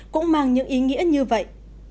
cũng mang những ý nghĩa như vậy